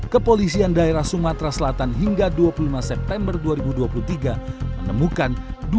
kepolisian daerah sumatera selatan hingga dua puluh lima september dua ribu dua puluh tiga menemukan